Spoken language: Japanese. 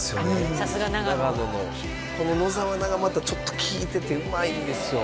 さすが長野長野のこの野沢菜がまたちょっと効いててうまいんですよ